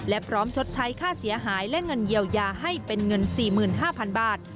และพร้อมชดใช้ค่าเสียหายและเงินเยียวยาให้เป็นเงิน๔๕๐๐๐บาท